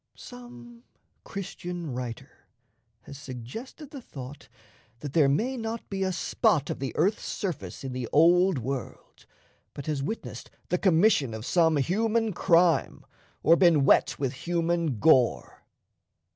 Some Christian writer has suggested the thought that there may not be a spot of the earth's surface in the Old World but has witnessed the commission of some human crime or been wet with human gore.